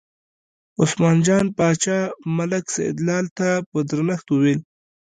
عثمان جان باچا ملک سیدلال ته په درنښت وویل.